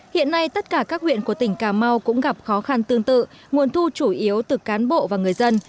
hiện nay tất cả các huyện của tỉnh cà mau cũng gặp khó khăn tương tự nguồn thu chủ yếu từ cán bộ và người dân